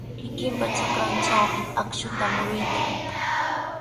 Kikinpa trakrantrawmi akshuta muruykan.